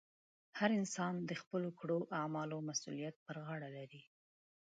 هر انسان د خپلو کړو اعمالو مسؤلیت پر غاړه لري.